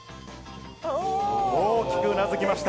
大きくうなずきました。